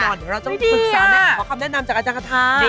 เดี๋ยวเราต้องปรึกษาขอคำแนะนำจากอาจารย์คาทา